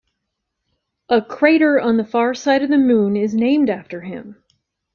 A crater on the far side of the Moon is named after him.